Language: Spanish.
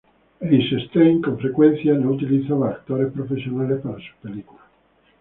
Eisenstein, con frecuencia, no utilizaba actores profesionales para sus películas.